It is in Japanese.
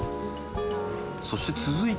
そして続いて。